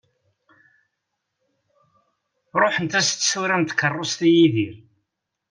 Ruḥent-as tsura n tkerrust i Yidir.